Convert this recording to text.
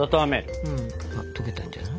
あっ溶けたんじゃない。